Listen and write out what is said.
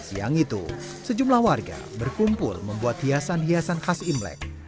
siang itu sejumlah warga berkumpul membuat hiasan hiasan khas imlek